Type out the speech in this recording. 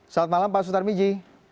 selamat malam pak sutar miji